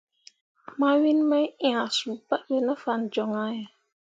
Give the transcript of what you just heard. Mawin mai ʼnyah suu pabe ne fan joŋ ahe.